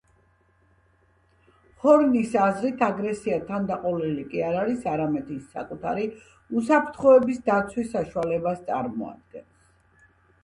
ჰორნის აზრით, აგრესია თანდაყოლილი კი არ არის, არამედ ის საკუთარი უსაფრთხოების დაცვის საშუალებას წარმოადგენს.